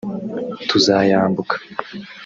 tuzayambuka